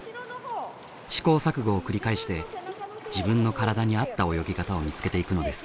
試行錯誤を繰り返して自分の体に合った泳ぎ方を見つけていくのです。